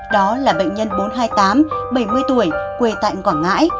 đó là bệnh nhân bốn trăm hai mươi tám bảy mươi tuổi quê tại quảng ngãi